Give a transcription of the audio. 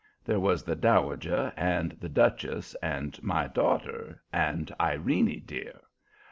There was the Dowager and the Duchess and "My Daughter" and "Irene dear."